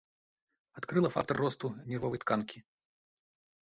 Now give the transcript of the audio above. Адкрыла фактар росту нервовай тканкі.